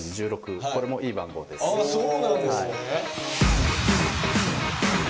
そうなんですね。